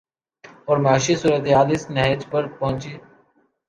اور معاشی صورت حال اس نہج پر پہنچ